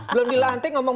belum dilantik ngomong